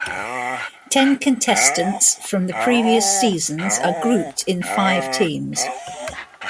Ten contestants from the previous seasons are grouped in five teams.